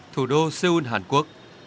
thủ đô seoul hàn quốc